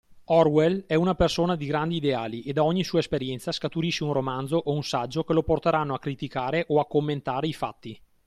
Orwell è una persona di grandi ideali e da ogni sua esperienza scaturisce un romanzo o un saggio che lo porteranno a criticare o a commentare i fatti.